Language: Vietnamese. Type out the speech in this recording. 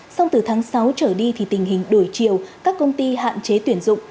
xong từ tháng sáu trở đi thì tình hình đổi chiều các công ty hạn chế tuyển dụng